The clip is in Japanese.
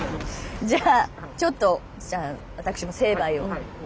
じゃあちょっと私も成敗を。